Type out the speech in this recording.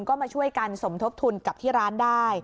ก็มาช่วยกันสมทบทุนกับที่ร้านได้